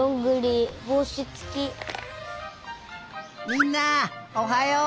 みんなおはよう！